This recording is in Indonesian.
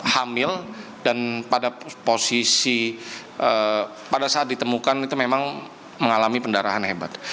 hamil dan pada posisi pada saat ditemukan itu memang mengalami pendarahan hebat